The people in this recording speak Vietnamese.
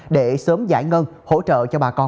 để sớm giải ngân hỗ trợ cho bà con